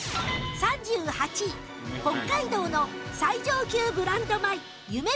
３８位北海道の最上級ブランド米ゆめ